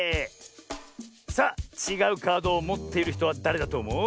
さあちがうカードをもっているひとはだれだとおもう？